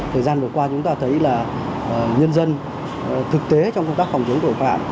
thời gian vừa qua chúng ta thấy là nhân dân thực tế trong công tác phòng chống tội phạm